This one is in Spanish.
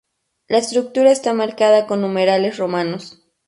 La estructura está marcada con numerales romanos.